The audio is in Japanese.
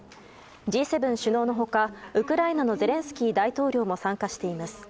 Ｇ７首脳の他、ウクライナのゼレンスキー大統領も参加しています。